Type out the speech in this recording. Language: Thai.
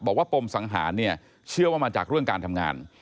ปมสังหารเนี่ยเชื่อว่ามาจากเรื่องการทำงาน